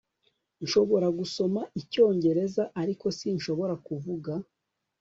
nshobora gusoma icyongereza, ariko sinshobora kuvuga